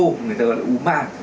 người ta gọi là u mạc